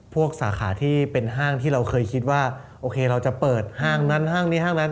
สาขาที่เป็นห้างที่เราเคยคิดว่าโอเคเราจะเปิดห้างนั้นห้างนี้ห้างนั้น